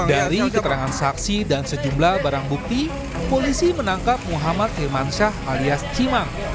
dari keterangan saksi dan sejumlah barang bukti polisi menangkap muhammad firmansyah alias cimang